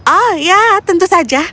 oh ya tentu saja